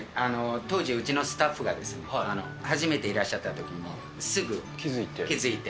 当時、うちのスタッフが、初めていらっしゃったときに、すぐ気づいて。